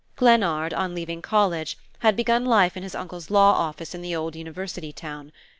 Glennard, on leaving college, had begun life in his uncle's law office in the old university town.